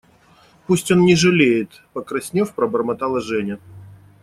– Пусть он не жалеет, – покраснев, пробормотала Женя.